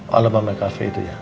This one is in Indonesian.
oh alabama cafe itu ya